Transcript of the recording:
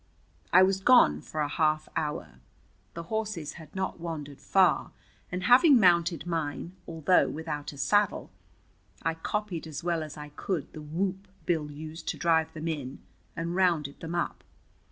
I was gone for a half hour. The horses had not wandered far, and having mounted mine, although without a saddle, I copied as well as I could the whoop Bill used to drive them in, and rounded them up.